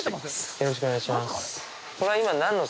よろしくお願いします